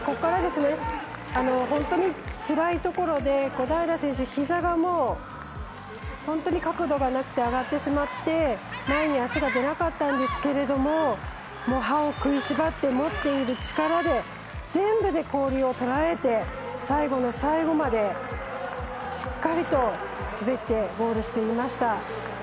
本当につらいところで小平選手、ひざがもう本当に角度がなくて上がってしまって前に足が出なかったんですけど歯を食いしばって持っている力で全部で氷をとらえて最後の最後までしっかりと滑ってゴールしていました。